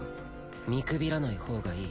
見くびらないほうがいい。